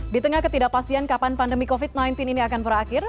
di tengah ketidakpastian kapan pandemi covid sembilan belas ini akan berakhir